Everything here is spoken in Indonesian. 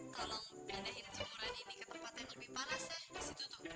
tolong pindahin jemuran ini ke tempat yang lebih parah